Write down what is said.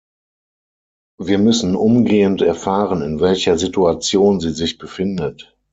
Wir müssen umgehend erfahren, in welcher Situation sie sich befindet.